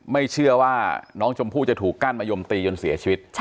ไม่เชื่อว่าน้องชมพู่จะถูกกั้นมะยมตีจนเสียชีวิต